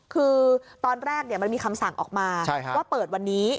คือตอนแรกมันมีคำสั่งออกมาว่าเปิดวันนี้